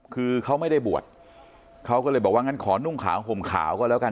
คือเขาไม่ได้บวชเขาก็เลยบอกว่างั้นขอนุ่งขาวห่มขาวก็แล้วกัน